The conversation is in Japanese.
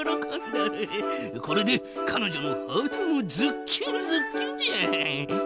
これでかのじょのハートもズッキュンズッキュンじゃ！